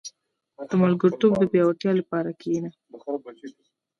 • د ملګرتوب د پياوړتیا لپاره کښېنه.